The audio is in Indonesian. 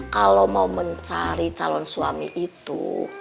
kalau mau mencari calon suami itu